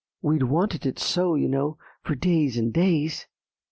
We'd wanted it so, you know, for days and days.